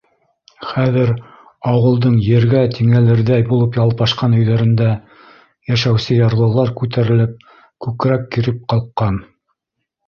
Хәҙер ауылдың ергә тиңәлерҙәй булып ялпашҡан өйҙәрендә йәшәүсе ярлылар күтәрелеп, күкрәк киреп ҡалҡҡан.